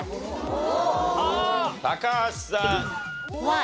高橋さん。